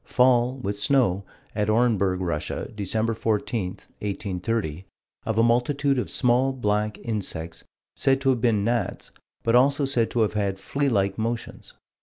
Fall, with snow, at Orenburg, Russia, Dec. 14, 1830, of a multitude of small, black insects, said to have been gnats, but also said to have had flea like motions.